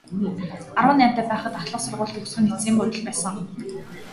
Арван наймтай байхад ахлах сургууль төгсөх нь эцсийн буудал байсан.